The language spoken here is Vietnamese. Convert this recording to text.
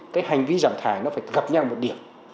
cái hành vi giảm thải nó phải gặp nhau một điểm